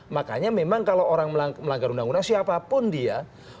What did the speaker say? makanya memang kalau orang melanggar undang undang siapapun dia